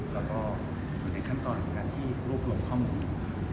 แล้วก็อยู่ในขั้นตอนของการที่รวบรวมข้อมูล